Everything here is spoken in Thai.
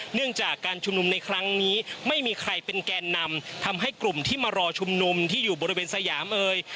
เนื่องจากการชุมนุมในครั้งนี้ไม่มีใครเป็นแกนนำทำให้กลุ่มที่มารอชุมนุมที่อยู่บริเวณสยามเอย